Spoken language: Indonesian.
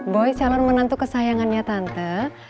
boy salon menantu kesayangannya tante